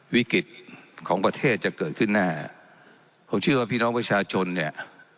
วิกฤตของประเทศจะเกิดขึ้นแน่ผมเชื่อว่าพี่น้องประชาชนเนี่ย